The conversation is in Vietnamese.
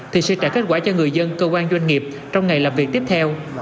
thì sẽ trả kết quả cho người dân cơ quan doanh nghiệp trong ngày làm việc tiếp theo